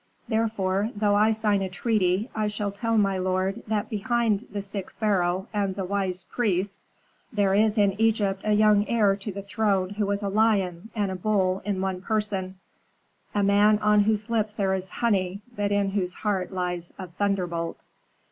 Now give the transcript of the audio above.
Therefore, though I sign a treaty, I shall tell my lord that behind the sick pharaoh and the wise priests there is in Egypt a young heir to the throne who is a lion and a bull in one person, a man on whose lips there is honey, but in whose heart lies a thunderbolt."